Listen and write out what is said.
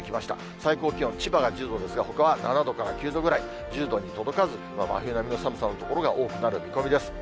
最高気温、千葉が１０度ですが、ほかは７度から９度ぐらい、１０度に届かず、真冬並みの寒さの所が多くなる見込みです。